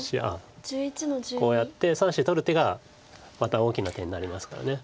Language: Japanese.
こうやって３子取る手がまた大きな手になりますから。